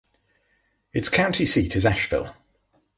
Its county seat is Asheville.